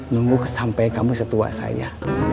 nunggu sampai kamu setua saya